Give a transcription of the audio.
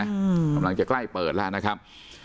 กำลังจะใกล้เปิดแล้วนะครับ